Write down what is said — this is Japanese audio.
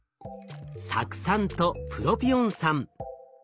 酢酸とプロピオン酸。